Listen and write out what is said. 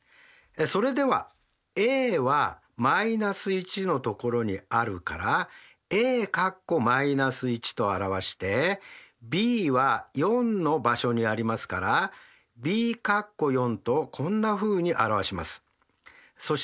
それではＡは−１の所にあるからＡと表してＢは４の場所にありますからＢとこんなふうに表します。